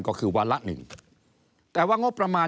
ก็จะมาจับทำเป็นพรบงบประมาณ